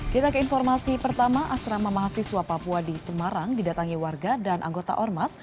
kita ke informasi pertama asrama mahasiswa papua di semarang didatangi warga dan anggota ormas